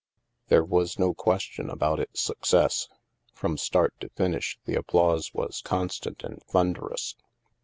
There was no question about its success. From start to finish, the applause was constant and thun derous.